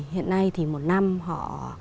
hiện nay thì một năm họ